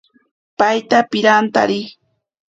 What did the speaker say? Paita pirantari.